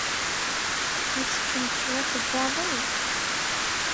Ad teččemt cwiṭ n waḍil?